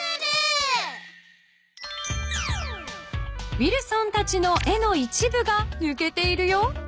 ［ウィルソンたちの絵の一部がぬけているよ］